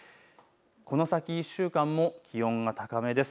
この先１週間も気温が高めです。